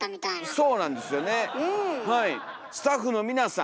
そうなんですよねはい。